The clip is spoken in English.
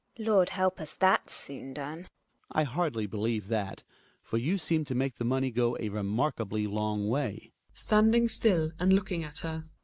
GiNA. Lord help us, that's soon done. Hjalmar. I hardly believe that, for you seem to make the money go a remarkably long way. (Standing Ml and looking at her.)